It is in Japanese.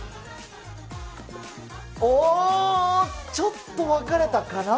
おー、ちょっと分かれたかな。